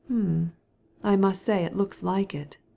" H'm ! I must say it looks like it.